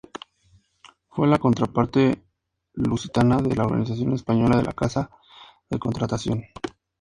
Fue la contraparte lusitana de la organización española de la Casa de Contratación.